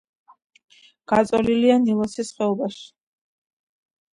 გაწოლილია ნილოსის ხეობაში.